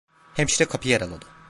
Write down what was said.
Hemşire kapıyı araladı.